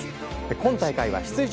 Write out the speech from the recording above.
今大会は出場